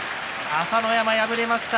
朝乃山、敗れました。